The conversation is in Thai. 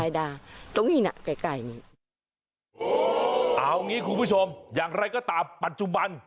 อย่างไรก็ตามปัจจุบัน